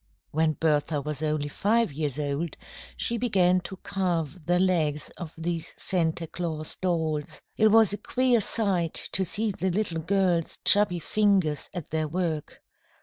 When Bertha was only five years old, she began to carve the legs of these Santa Claus dolls. It was a queer sight to see the little girl's chubby fingers at their work.